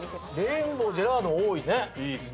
レインボージェラードン多いね。